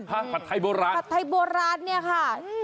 ผัดไทยโบราณเนี่ยค่ะ